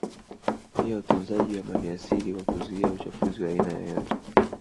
Pia utunzaji wa maliasili kwa kuzuia uchafuzi wa aina yoyote